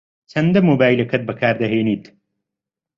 چەندە مۆبایلەکەت بەکار دەهێنیت؟